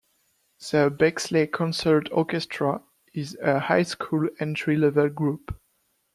The Bexley Concert Orchestra is a high school entry level group.